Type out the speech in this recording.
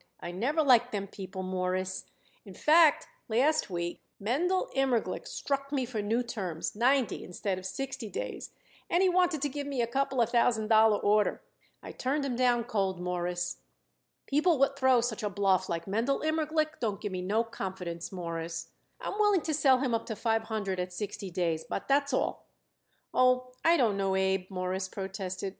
"I never liked them people, Mawruss. In fact, last week Mendel Immerglick struck me for new terms ninety instead of sixty days and he wanted to give me a couple of thousand dollar order. I turned him down cold, Mawruss. People what throw such a bluff like Mendel Immerglick don't give me no confidence, Mawruss. I'm willing to sell him up to five hundred at sixty days, but that's all." "Oh, I don't know, Abe," Morris protested.